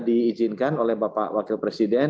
diizinkan oleh bapak wakil presiden